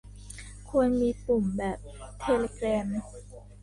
ควรมีปุ่ม แบบเทเลแกรม